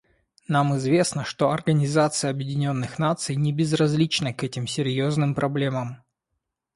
Нам известно, что Организация Объединенных Наций небезразлична к этим серьезным проблемам.